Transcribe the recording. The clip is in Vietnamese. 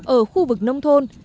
ở khu vực nông thôn